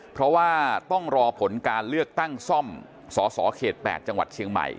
เพราะว่าต้องรอผลการเลือกตั้งซ่อมสสเขต๘จังหวัดเชียงใหม่